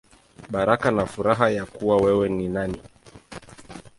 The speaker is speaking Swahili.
Baraka na Furaha Ya Kuwa Wewe Ni Nani.